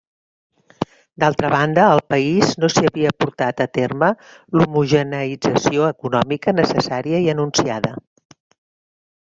D'altra banda al país no s'hi havia portat a terme l'homogeneïtzació econòmica necessària i anunciada.